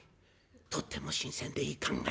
とっても新鮮でいい考え」。